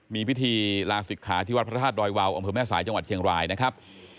มีพิธีลาศิกขาที่วัดพระธาตุดอยวาวอำเภอแม่สายจังหวัดเชียงรายนะครับ